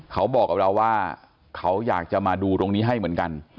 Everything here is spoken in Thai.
เขาบอกกับเราว่าเขาอยากจะมาดูตรงนี้ให้เหมือนกัน